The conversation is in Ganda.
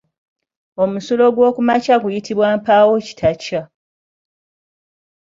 Omusulo gw’okumakya guyitibwa Mpaawokitakya.